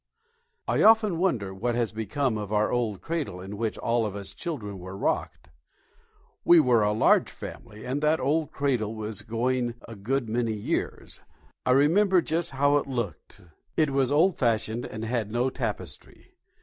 I often wonder what has become of our old cradle in which all of us children were rocked! We were a large family, and that old cradle was going a good many years. I remember just how it looked. It was old fashioned and had no tapestry.